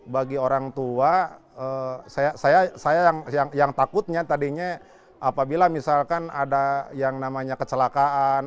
bagi orang tua saya yang takutnya tadinya apabila misalkan ada yang namanya kecelakaan